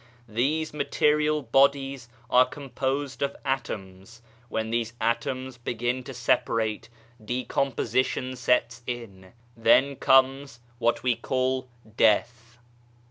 These material bodies are composed of atoms ; when these atoms begin to separate decomposition sets in, then comes what we call death.